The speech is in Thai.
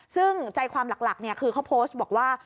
ซึ่งใจความหลักคือเขาโพสต์บอกว่า